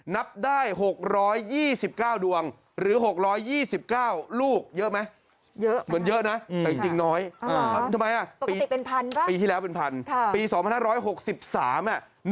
นับได้๖๒๙ดวงหรือ๖๒๙ลูกเยอะไหม